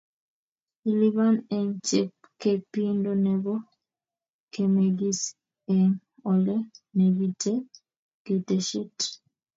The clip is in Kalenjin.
Ilipani eng chepchepindo nebo kemegis eng' ole negitee keteshet